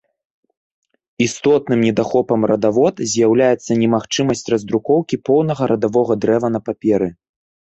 Істотным недахопам радавод з'яўляецца немагчымасць раздрукоўкі поўнага радавога дрэва на паперы.